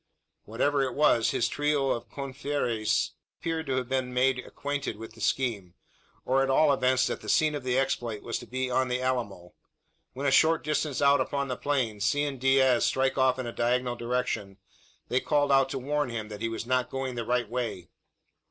Whatever it was, his trio of confreres appeared to have been made acquainted with the scheme; or at all events that the scene of the exploit was to be on the Alamo. When a short distance out upon the plain, seeing Diaz strike off in a diagonal direction, they called out to warn him, that he was not going the right way.